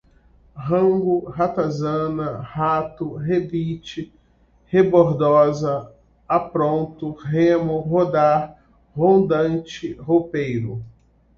rango, ratazana, rato, rebite, rebordoza, apronto, remo, rodar, rondante, ropeiro